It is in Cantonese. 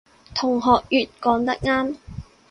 同學乙講得啱